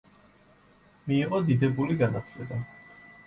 მიიღო დიდებული განათლება.